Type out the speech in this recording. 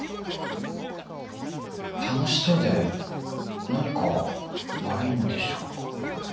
楽しそうで何か悪いんでしょうか？